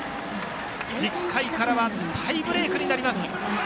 １０回からはタイブレークになります。